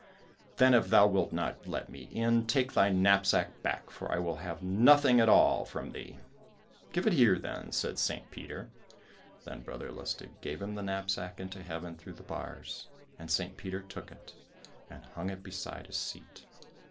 "Then if thou wilt not let me in, take thy knapsack back, for I will have nothing at all from thee." "Give it here, then," said St. Peter. Then Brother Lustig gave him the knapsack into Heaven through the bars, and St. Peter took it, and hung it beside his seat.